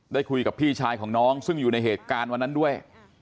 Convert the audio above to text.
ได้คุยกับพี่ชายของน้องซึ่งอยู่ในเหตุการณ์วันนั้นด้วย